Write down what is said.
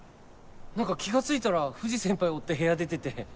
何か気が付いたら藤先輩追って部屋出てて。